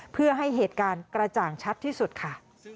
เพื่อให้เหตุการณ์กระจ่างชัดที่สุดค่ะ